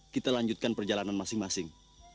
kita lanjutkan perjalanan masing masing